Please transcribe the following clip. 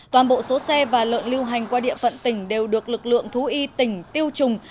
toàn bộ số xe và lợn lưu hành qua địa phận tỉnh đều được lực lượng thú y tỉnh tiêu trùng